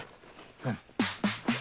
うん。